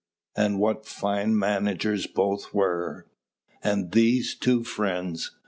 And what fine managers both were! And these two friends!